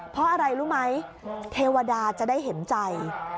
เพราะอะไรรู้ไหมเทวดาจะได้เห็นใจ